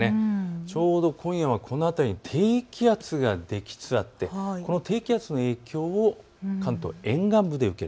ちょうど今夜はこの辺りに低気圧ができつつあってこの低気圧の影響を関東の沿岸部で受ける。